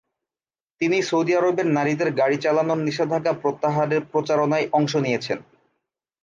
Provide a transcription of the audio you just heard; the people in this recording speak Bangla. তিনি সৌদি আরবে নারীদের গাড়ি চালানোর নিষেধাজ্ঞা প্রত্যাহারের প্রচারণায় অংশ নিয়েছেন।